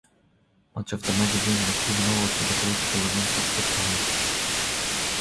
Much of the magazine was given over to the political events of the time.